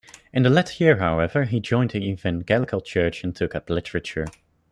In the latter year, however, he joined the Evangelical Church, and took up literature.